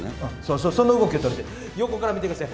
そう、その動きを、横から見てください。